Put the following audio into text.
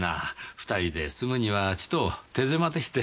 二人で住むにはちと手狭でして。